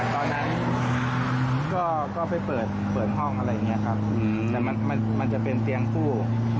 ตอนนั้นก็ไปเปิดห้องอะไรอย่างนี้ครับแต่มันมันจะเป็นเตียงสู้